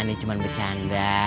ini cuma bercanda